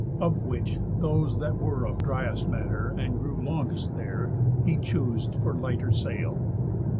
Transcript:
Of which, those that were Of driest matter, and grew longest there, He choos'd for lighter sail.